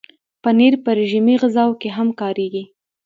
پنېر په رژیمي غذاوو کې هم کارېږي.